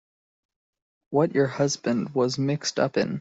What your husband was mixed up in.